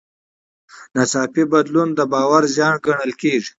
ناڅاپي بدلون د باور زیان ګڼل کېږي.